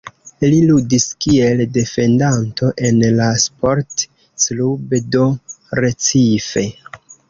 Li ludis kiel defendanto en la Sport Club do Recife.